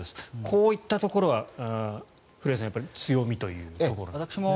こういったところが古谷さん強みというところなんですね。